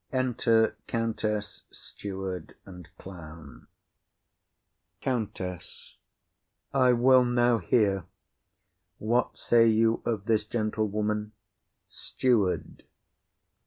Enter Countess, Steward and Clown. COUNTESS. I will now hear. What say you of this gentlewoman? STEWARD.